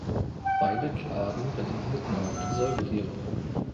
Beide Kladen beinhalten auch die Säugetiere.